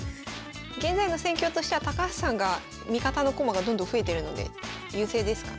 現在の戦況としては高橋さんが味方の駒がどんどん増えてるので優勢ですかね。